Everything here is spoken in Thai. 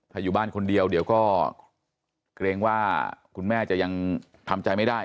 ถ้าอยู่บ้านคนเดียวเดี๋ยวก็เกรงว่าคุณแม่จะยังทำใจไม่ได้